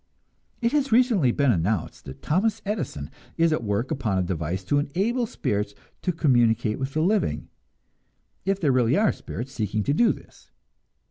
It has recently been announced that Thomas A. Edison is at work upon a device to enable spirits to communicate with the living, if there really are spirits seeking to do this.